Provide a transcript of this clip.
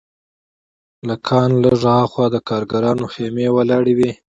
له کان لږ هاخوا د کارګرانو خیمې ولاړې وې